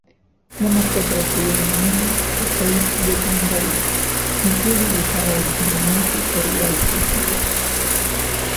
La mascota se denomina "Kasey the Kangaroo", y fue dibujada originalmente por Walt Disney.